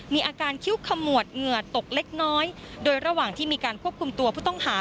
มีการคิ้วขมวดเหงื่อตกเล็กน้อยโดยระหว่างที่มีการควบคุมตัวผู้ต้องหา